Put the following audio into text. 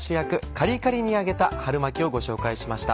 カリカリに揚げた春巻きをご紹介しました。